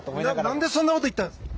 なんでそんなこと言ったんですか。